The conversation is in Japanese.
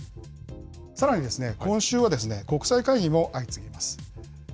さらに今週は、国際会議も相次ぎます。